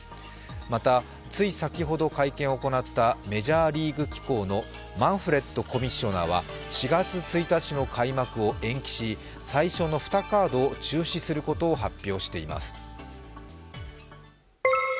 また、つい先ほど会見を行ったメジャーリーグ機構のマンフレッドコミッショナーは４月１日の開幕を延期し延期し最初の２カードを中止することを発表しています。